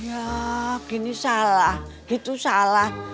ya gini salah gitu salah